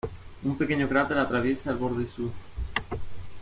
Un pequeño cráter atraviesa el borde sur.